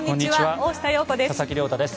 大下容子です。